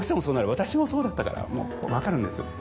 私もそうだったからもう分かるんです。